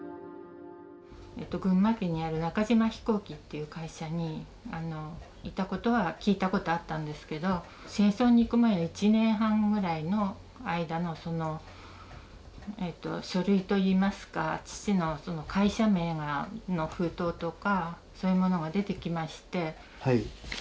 群馬県にある中島飛行機っていう会社にいたことは聞いたことあったんですけど戦争に行く前の１年半ぐらいの間の書類といいますか父の会社名の封筒とかそういうものが出てきまして。